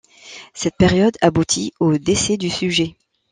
Cette période aboutit au décès du sujet.